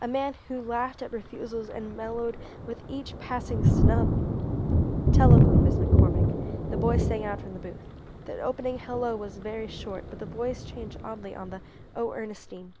A man who laughed at refusals and mellowed with each passing snub! "Telephone, Miss McCormick," the boy sang out from the booth. The opening "Hello" was very short, but the voice changed oddly on the "Oh, Ernestine."